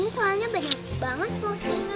ini soalnya banyak banget postingnya